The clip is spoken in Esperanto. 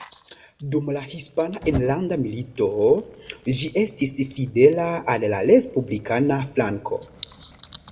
Dum la Hispana Enlanda Milito ĝi estis fidela al la respublikana flanko.